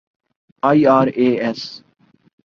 IRAS